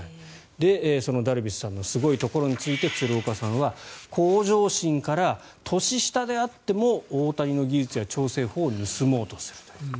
そのダルビッシュさんのすごいところについて鶴岡さんは向上心から年下であっても大谷の技術や調整法を盗もうとすると。